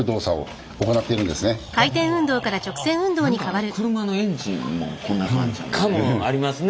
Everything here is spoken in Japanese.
何か車のエンジンもこんな感じですね。